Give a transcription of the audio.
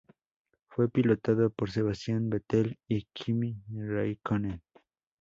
Fue pilotado por Sebastian Vettel y Kimi Räikkönen.